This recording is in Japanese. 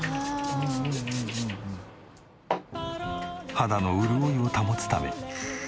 肌の潤いを保つため。